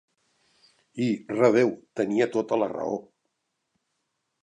I, redeu, tenia tota la raó.